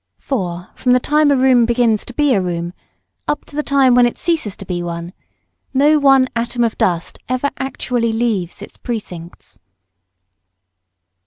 For from the time a room begins to be a room up to the time when it ceases to be one, no one atom of dust ever actually leaves its precincts.